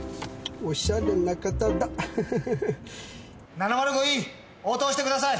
７０５Ｅ応答してください！